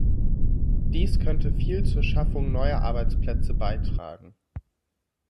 Dies könnte viel zur Schaffung neuer Arbeitsplätze beitragen.